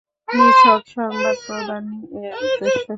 নিছক সংবাদ প্রদানই এর উদ্দেশ্য।